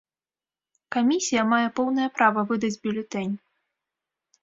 Камісія мае поўнае права выдаць бюлетэнь.